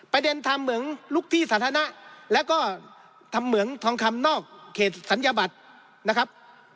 ประเด็นทำเหมืองลุกที่สาธารณะแล้วก็ทำเหมืองทองคำนอกเขตศัลยบัตรนะครับ